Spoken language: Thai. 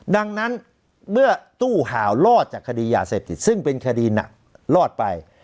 ดังนั้นเมื่อตู้ห่าวรอดจากคดียาเสพติดซึ่งเป็นคดีหนักรอดไป